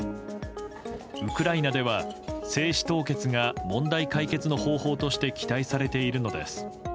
ウクライナでは精子凍結が問題解決の方法として期待されているのです。